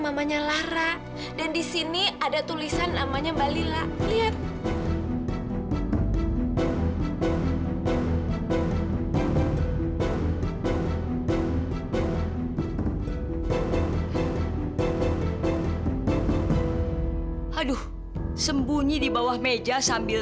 mamanya lara dan disini ada tulisan namanya balila lihat aduh sembunyi di bawah meja sambil